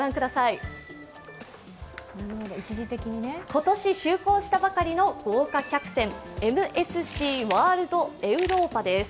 今年就航したばかりの豪華客船「ＭＳＣワールドエウローパ」です。